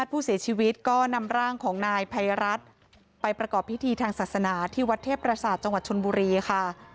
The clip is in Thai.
ผู้เสียชีวิตก็นำร่างของนายภัยรัฐไปประกอบพิธีทางศาสนาที่วัดเทพประสาทจังหวัดชนบุรีค่ะ